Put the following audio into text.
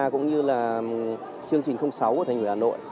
cũng như là chương trình sáu của thành ủy hà nội